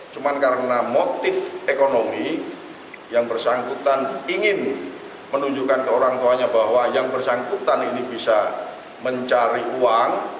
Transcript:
cuma karena motif ekonomi yang bersangkutan ingin menunjukkan ke orang tuanya bahwa yang bersangkutan ini bisa mencari uang